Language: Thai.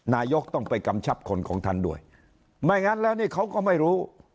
นายกต้องไปกำชับคนของท่านด้วยไม่งั้นแล้วนี่เขาก็ไม่รู้